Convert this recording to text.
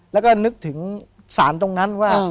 แล้วก็นึกถึงสารตรงนั้นว่า